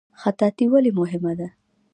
خطاطي ولې مهمه ده؟